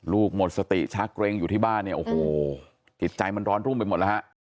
หมดสติชักเกรงอยู่ที่บ้านเนี่ยโอ้โหจิตใจมันร้อนรุ่มไปหมดแล้วฮะ